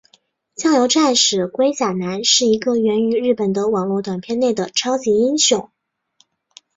酱油战士龟甲男是一个源于日本的网络短片内的超级英雄。